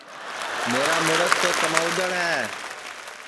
میرا مُرس تو کُماودؔڑ ہے